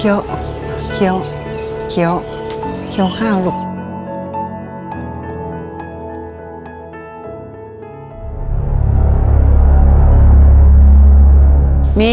โรค